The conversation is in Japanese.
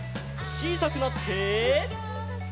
ちいさくなって。